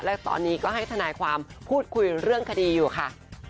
และตอนนี้ก็ให้ทนายความพูดคุยเรื่องคดีอยู่ค่ะ